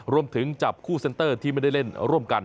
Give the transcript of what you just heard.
รวมถึงจับคู่เซ็นเตอร์ที่ไม่ได้เล่นร่วมกัน